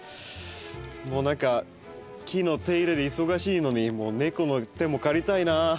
もう何か木の手入れで忙しいのに猫の手も借りたいなあ。